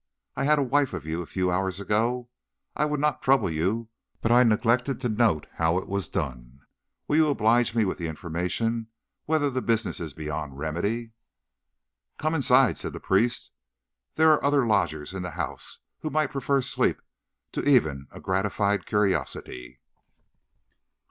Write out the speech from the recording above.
I had a wife of you a few hours ago. I would not trouble you, but I neglected to note how it was done. Will you oblige me with the information whether the business is beyond remedy?" "Come inside," said the priest; "there are other lodgers in the house, who might prefer sleep to even a gratified curiosity."